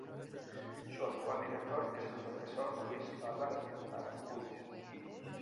Su actual director es el Profesor Luis Álvarez Aránguiz.